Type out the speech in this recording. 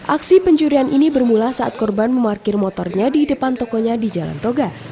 aksi pencurian ini bermula saat korban memarkir motornya di depan tokonya di jalan toga